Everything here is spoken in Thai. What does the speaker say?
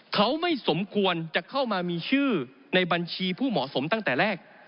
เขาไม่สมควรจะเข้ามามีชื่อในบัญชีผู้เหมาะสมตั้งแต่แรก